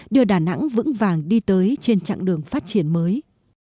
đưa đà nẵng vững vàng đi tới trên chặng đường phát triển mới